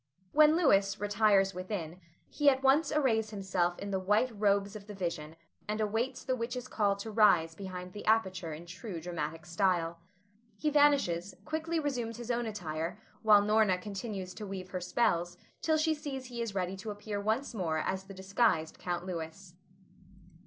When Louis "retires within," he at once arrays himself in the white robes of the vision, and awaits the witch's call to rise behind the aperture in true dramatic style. He vanishes, quickly resumes his own attire, while Norna continues to weave her spells, till she sees he is ready to appear once more as the disguised Count Louis.